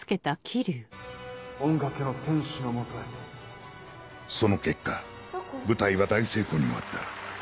音楽の天使の元へその結果舞台は大成功に終わった。